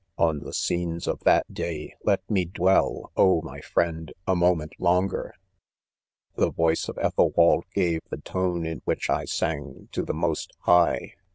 4 On the scenes of that day, let me dwell, oh, my friend, a moment longer ! The voice of Ethelwald gave the tone in; which I sang to the Most High.